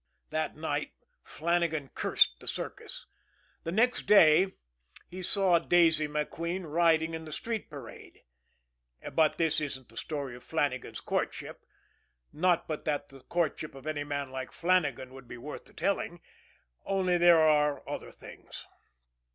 That night Flannagan cursed the circus; the next day he saw Daisy MacQueen riding in the street parade and but this isn't the story of Flannagan's courtship, not but that the courtship of any man like Flannagan would be worth the telling only there are other things.